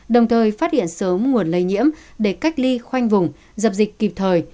đồng thời phát hiện sớm nguồn lây nhiễm để cách ly khoanh vùng dập dịch kịp thời